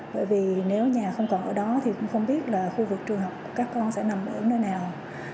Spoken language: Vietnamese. bởi vì nếu nhà không còn ở đó thì cũng không biết là khu vực trường học các con sẽ nằm ở nơi nào